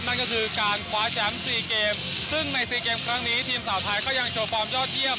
นั่นก็คือการคว้าแชมป์๔เกมซึ่งใน๔เกมครั้งนี้ทีมสาวไทยก็ยังโชว์ฟอร์มยอดเยี่ยม